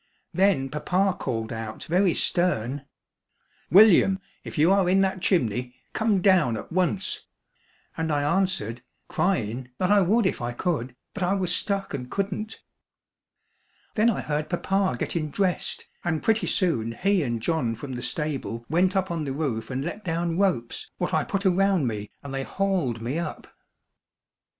Then papa called out very stern: "William, if you are in that chimney come down at once!" and I answered, cryin', that I would if I could, but I was stuck and couldn't. Then I heard papa gettin' dressed, and pretty soon he and John from the stable went up on the roof and let down ropes what I put around me and they hauled me up.